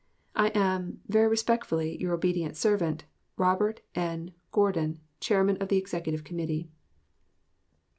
I am, very respectfully your obedient servant, ROBERT N. GOURDIN, Chairman of the Executive Committee.